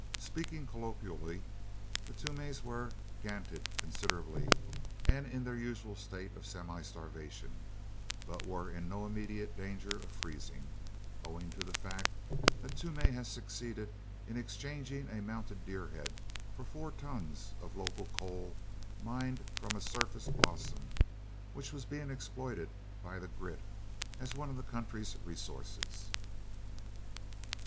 Speaking colloquially, the Toomeys were "ga'nted considerably," and in their usual state of semistarvation, but were in no immediate danger of freezing, owing to the fact that Toomey had succeeded in exchanging a mounted deer head for four tons of local coal mined from a "surface blossom," which was being exploited by the Grit as one of the country's resources.